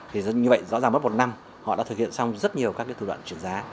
thì như vậy rõ ràng mất một năm họ đã thực hiện xong rất nhiều các cái thủ đoạn chuyển giá